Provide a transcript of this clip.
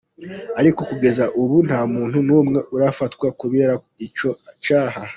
Ariko kugeza ubu nta muntu n'umwe arafatwa kubera ico caha.